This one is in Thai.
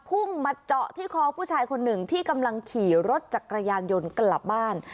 พุ่งมาเจาะที่คอผู้ชายคนหนึ่งที่กำลังขี่รถจักรยานยนต์กลับบ้าน